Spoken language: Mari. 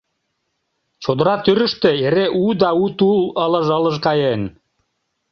Чодыра тӱрыштӧ эре у да у тул ылыж-ылыж каен.